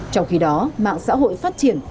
trong khi đó mạng xã hội phát triển